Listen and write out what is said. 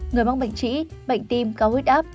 người mang bệnh trĩ bệnh tim cao huyết áp